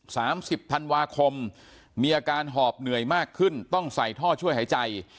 สามสิบธันวาคมมีอาการหอบเหนื่อยมากขึ้นต้องใส่ท่อช่วยหายใจ